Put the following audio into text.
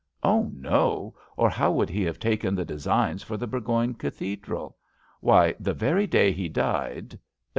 "Oh, no, or how would he have taken the de signs for the Burgoyne Cathedral? Why, the very day he died